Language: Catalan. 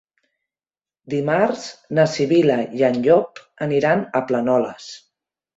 Dimarts na Sibil·la i en Llop aniran a Planoles.